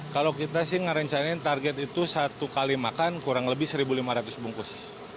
kalau kita sih ngerencanain target itu satu kali makan kurang lebih satu lima ratus bungkus